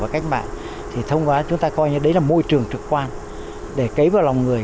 cách mạng thì thông qua chúng ta coi như đấy là môi trường trực quan để cấy vào lòng người